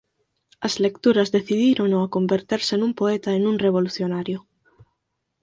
As lecturas decidírono a converterse nun poeta e nun revolucionario.